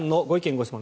・ご質問